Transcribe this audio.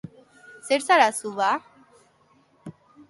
Zer zara zu ba?